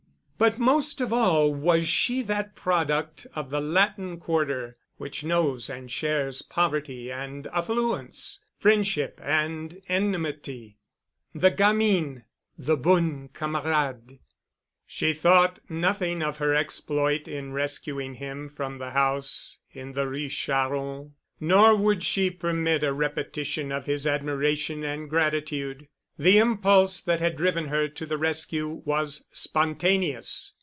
But most of all was she that product of the Latin Quarter, which knows and shares poverty and affluence, friendship and enmity,—the gamine, the bonne camarade. She thought nothing of her exploit in rescuing him from the house in the Rue Charron, nor would she permit a repetition of his admiration and gratitude. The impulse that had driven her to the rescue was spontaneous.